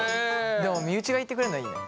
でも身内が言ってくれんのはいいね。